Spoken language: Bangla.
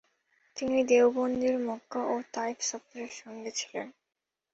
তিনি দেওবন্দির মক্কা ও তাইফ সফরে সঙ্গে ছিলেন।